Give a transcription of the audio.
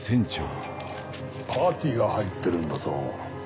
パーティーが入ってるんだぞ。